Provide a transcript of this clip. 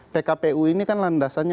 pkpu ini kan landasannya